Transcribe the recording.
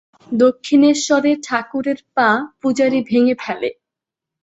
দক্ষিণেশ্বরে ঠাকুরের পা পূজারী ভেঙে ফেলে।